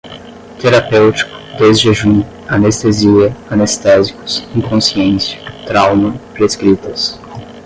terapêutico, desjejum, anestesia, anestésicos, inconsciência, trauma, prescritas